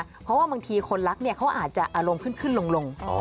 เพราะว่าบางทีคนรักเนี่ยเขาอาจจะอารมณ์ขึ้นลง